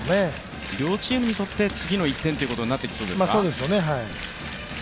両チームにとって次の１点ということになってきそうですね。